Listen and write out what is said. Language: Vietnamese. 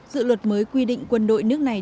dự luật mới quy định quân đội nước này